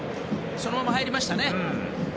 そのまま入りましたね。